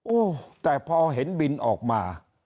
โอ้โหแต่พอเห็นบินออกมา